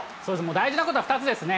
大事なことは２つですね。